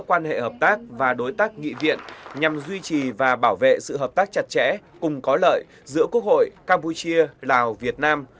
quan hệ hợp tác và đối tác nghị viện nhằm duy trì và bảo vệ sự hợp tác chặt chẽ cùng có lợi giữa quốc hội campuchia lào việt nam